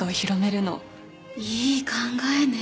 いい考えね。